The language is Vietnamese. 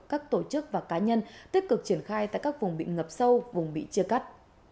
các tổ chức và cá nhân tích cực triển khai tại các vùng bị ngập sâu vùng bị chia cắt